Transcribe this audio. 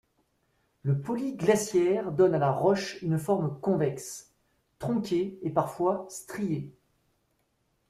Le poli glaciaire donne à la roche une forme convexe, tronquée et parfois striée.